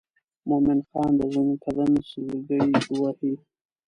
مومن خان د زکندن سګلې وهي.